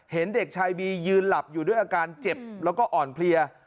เห็นเด็กชายบียืนหลับอยู่ด้วยอาการเจ็บแล้วก็อ่อนเพลีย